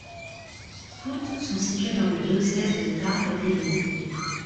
Toutes sont situées dans le diocèse de Tarbes et Lourdes.